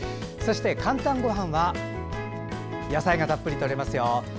そして「かんたんごはん」は野菜がたっぷりとれますよ。